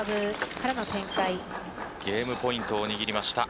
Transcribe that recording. ゲームポイントを握りました。